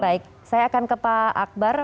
baik saya akan ke pak akbar